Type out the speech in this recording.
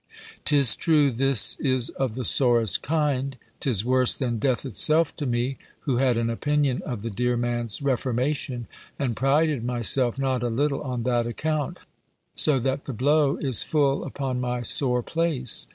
"'Tis true, this is of the sorest kind: 'tis worse than death itself to me, who had an opinion of the dear man's reformation, and prided myself not a little on that account. So that the blow is full upon my sore place.